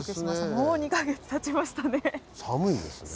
もう２か月たちましたね。